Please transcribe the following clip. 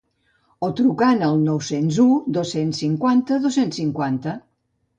O trucant al nou-cents u dos-cents cinquanta dos-cents cinquanta.